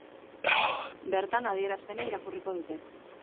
Bertan adierazpena irakurriko dute.